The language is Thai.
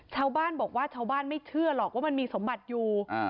ชาวบ้านบอกว่าชาวบ้านไม่เชื่อหรอกว่ามันมีสมบัติอยู่